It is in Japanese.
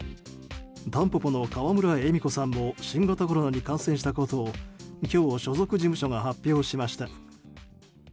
タンポポの川村エミコさんも新型コロナに感染したことを今日所属事務所が発表しました。